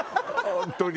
本当に。